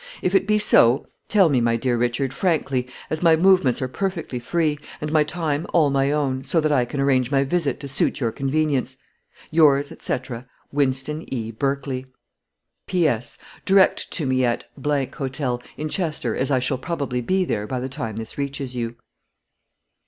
If it be so, tell me, my dear Richard, frankly, as my movements are perfectly free, and my time all my own, so that I can arrange my visit to suit your convenience. Yours, &c., WYNSTON E. BERKLEY P.S. Direct to me at Hotel, in Chester, as I shall probably be there by the time this reaches you.